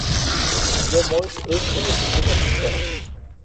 Teʼ yomoʼis ʼäʼkjayuʼtsi tumä tsikaʼ.